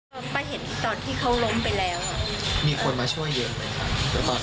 ไปเห็นที่ตอนที่เขาล้มไปแล้วมีคนมาช่วยเย็นไหมค่ะ